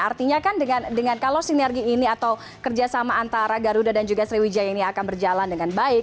artinya kan dengan kalau sinergi ini atau kerjasama antara garuda dan juga sriwijaya ini akan berjalan dengan baik